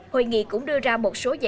hội nghị cũng đưa ra một số giải pháp